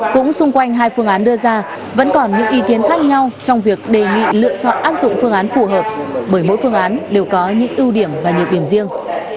cũng xung quanh hai phương án đưa ra vẫn còn những ý kiến khác nhau trong việc đề nghị lựa chọn áp dụng phương án phù hợp bởi mỗi phương án đều có những ưu điểm và nhược điểm riêng